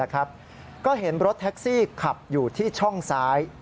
ก็เห็นรถแท็กซี่ขับอยู่ที่ช่องซ้าย